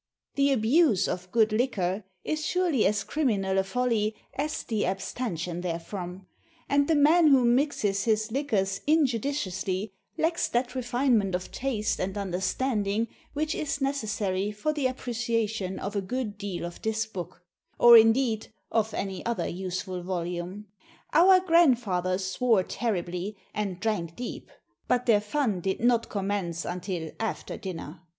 The abuse of good liquor is surely as criminal a folly as the abstention therefrom; and the man who mixes his liquors injudiciously lacks that refinement of taste and understanding which is necessary for the appreciation of a good deal of this book, or indeed of any other useful volume. Our grandfathers swore terribly, and drank deep; but their fun did not commence until after dinner.